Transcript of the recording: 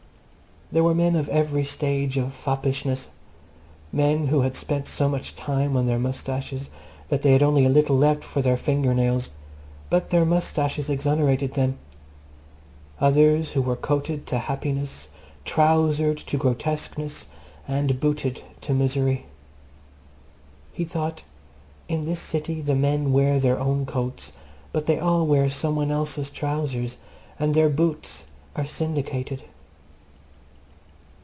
There were men of every stage of foppishness men who had spent so much time on their moustaches that they had only a little left for their finger nails, but their moustaches exonerated them; others who were coated to happiness, trousered to grotesqueness, and booted to misery. He thought In this city the men wear their own coats, but they all wear some one else's trousers, and their boots are syndicated.